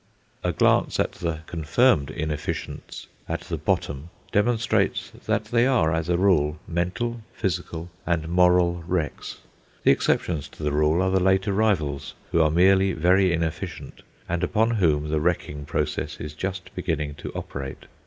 A glance at the confirmed inefficients at the bottom demonstrates that they are, as a rule, mental, physical, and moral wrecks. The exceptions to the rule are the late arrivals, who are merely very inefficient, and upon whom the wrecking process is just beginning to operate.